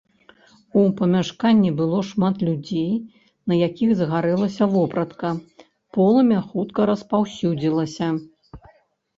У памяшканні было шмат людзей, на якіх загарэлася вопратка, полымя хутка распаўсюдзілася.